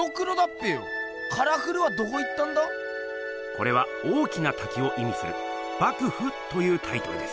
これは大きなたきをいみする「瀑布」というタイトルです。